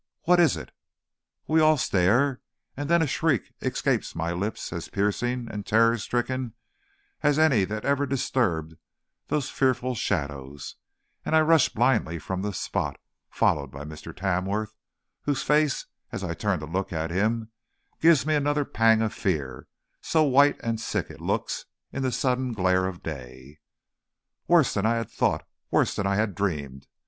what is it? We all stare, and then a shriek escapes my lips as piercing and terror stricken as any that ever disturbed those fearful shadows; and I rush blindly from the spot, followed by Mr. Tamworth, whose face, as I turn to look at him, gives me another pang of fear, so white and sick it looks in the sudden glare of day. Worse than I had thought, worse than I had dreamed!